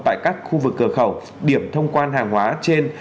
tại các khu vực cửa khẩu điểm thông quan hàng hóa trên